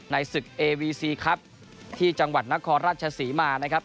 ในศึกเอวีซีครับที่จังหวัดนครราชศรีมานะครับ